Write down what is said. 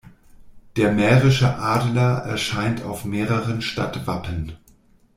Der Mährische Adler erscheint auf mehreren Stadtwappen.